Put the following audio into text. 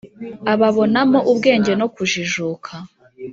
ababonamo ubwenge no kujijuka,